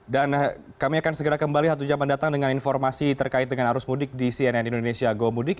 kami akan segera kembali satu jam mendatang dengan informasi terkait dengan arus mudik di cnn indonesia gomudik